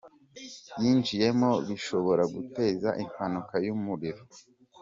yinjiyemo bishobora guteza impanuka y’umuriro.